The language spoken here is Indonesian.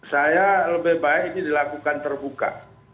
saya lebih baik ini dilakukan terbuka